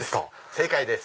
正解です！